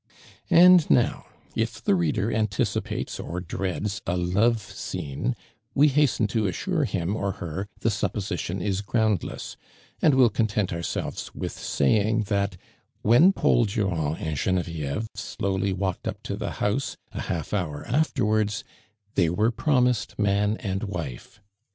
I And now, if the reader anticipates or dreads a "love scene," we hasten to assure hira or her the supposition is groundless, and will content ourselves with saying that when Paul Durand and (tenevievo slowly walked up to the house a half hour after wai'ds they wore promised man and wife.